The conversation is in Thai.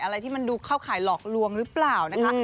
อะไรที่มันดูเข้าข่ายหลอกลวงหรือเปล่านะคะ